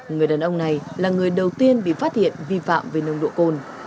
người đàn ông này là người đầu tiên bị phát hiện vi phạm về nồng độ cồn